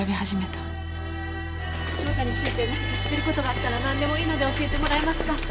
翔太について何か知ってる事があったらなんでもいいので教えてもらえますか？